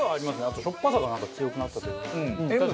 あとしょっぱさがなんか強くなったというか。